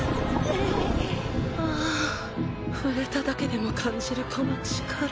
ああ触れただけでも感じるこの力